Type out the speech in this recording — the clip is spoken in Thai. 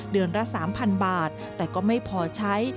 เดือนละ๓๐๐๐บาทแต่ก็ไม่พอใช้